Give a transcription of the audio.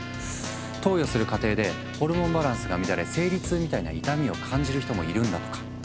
投与する過程でホルモンバランスが乱れ生理痛みたいな痛みを感じる人もいるんだとか。